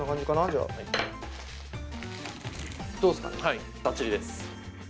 はいバッチリです！